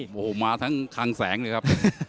โอ้โหมาทั้งคังแสงเลยครับ